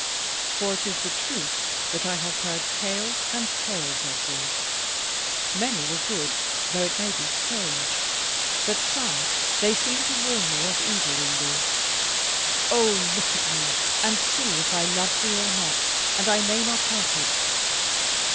For it is the truth that I have heard tales and tales of thee: many were good, though it maybe strange; but some, they seemed to warn me of evil in thee. O look at me, and see if I love thee or not! and I may not help it.